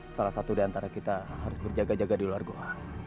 salah satu dari antara kita harus berjaga jaga di luar goa